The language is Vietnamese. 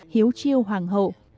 hiếu chiêu hoàng hậu